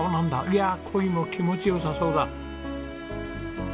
いやコイも気持ち良さそうだ！